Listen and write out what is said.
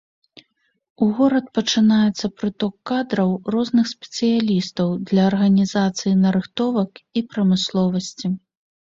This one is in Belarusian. У горад пачынаецца прыток кадраў, розных спецыялістаў для арганізацыі нарыхтовак і прамысловасці.